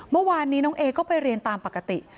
เมื่อวานนี้น้องเอก็ไปเรียนตามปกติ